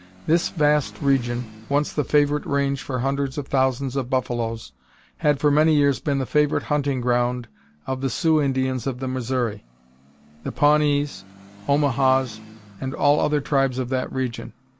This vast region, once the favorite range for hundreds of thousands of buffaloes, had for many years been the favorite hunting ground of the Sioux Indians of the Missouri, the Pawnees, Omahas, and all other tribes of that region.